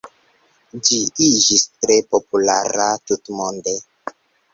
Ĝi iĝis tre populara tutmonde.